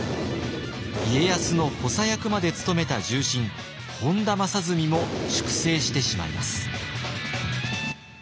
家康の補佐役まで務めた重臣本多正純も粛清してしまいます。